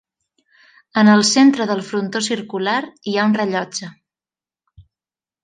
En el centre del frontó circular hi ha un rellotge.